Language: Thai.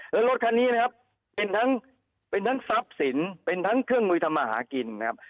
แล้วรถคันนี้นะครับเป็นทั้งเป็นทั้งทรัพย์สินเป็นทั้งเครื่องมือทำมาหากินนะครับ